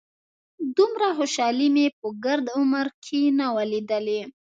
دومره خوشالي مې په ګرد عمر کښې نه وه ليدلې.